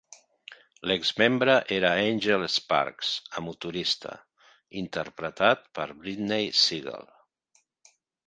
L'ex-membre era Angel Sparks, a motorista, interpretat per Brittney Segal.